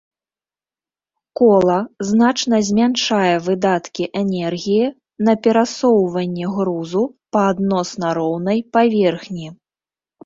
Кола значна змяншае выдаткі энергіі на перасоўванне грузу па адносна роўнай паверхні.